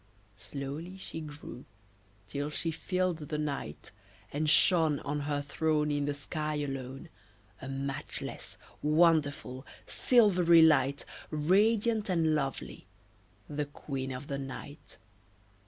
Slowly she grew till she filled the night, And shone On her throne In the sky alone, A matchless, wonderful, silvery light, Radiant and lovely, the Queen of the night.